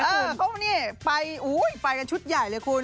เขาก็บอกว่าเนี่ยไปกันชุดใหญ่เลยคุณ